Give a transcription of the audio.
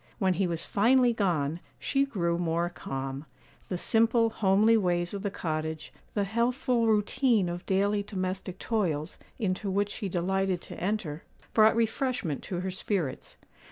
When he was finally gone, she grew more calm. The simple, homely ways of the cottage, the healthful routine of daily domestic toils, into which she delighted to enter, brought refreshment to her spirits.